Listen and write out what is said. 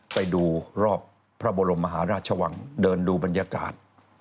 ไปดูรอบพระบรมมหาราชวังเดินดูบรรยากาศ